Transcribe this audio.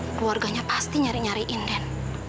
keluarganya pasti nyari nyariin den